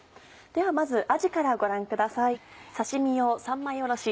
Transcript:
ではまずあじからご覧ください。